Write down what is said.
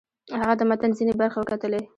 هغه د متن ځینې برخې وکتلې.